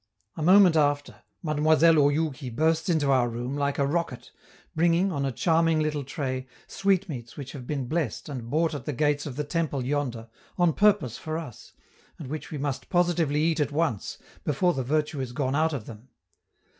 A moment after, Mademoiselle Oyouki bursts into our room like a rocket, bringing, on a charming little tray, sweetmeats which have been blessed and bought at the gates of the temple yonder, on purpose for us, and which we must positively eat at once, before the virtue is gone out of them.